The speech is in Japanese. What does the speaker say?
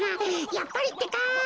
やっぱりってか。